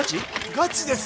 ガチです！